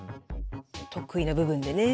得意な部分でね。